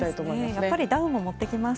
やっぱりダウンも持ってきます。